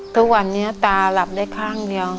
ทุกวันนี้ตาหลับได้ข้างเดียว